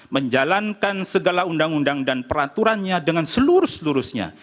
menjalankan segala undang undang dan peraturannya dengan seluruh seluruhnya